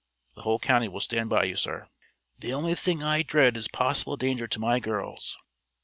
The whole county will stand by you, sir." "The only thing I dread is possible danger to my girls."